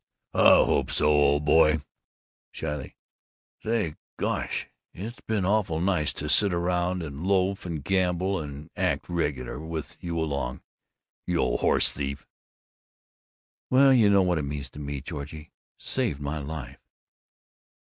"I hope so, old boy." Shyly: "Say, gosh, it's been awful nice to sit around and loaf and gamble and act regular, with you along, you old horse thief!" "Well, you know what it means to me, Georgie. Saved my life."